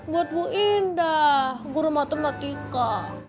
buat bu indah guru matematika